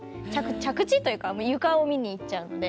着地というかもうゆかを見に行っちゃうので。